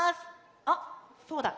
あっそうだ。